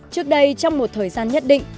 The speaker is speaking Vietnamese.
trước đây trong một thời gian nhất định